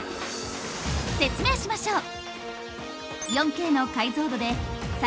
説明しましょう！